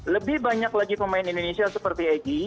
lebih banyak lagi pemain indonesia seperti egy